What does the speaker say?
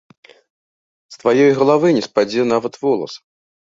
З тваёй галавы не спадзе нават волас.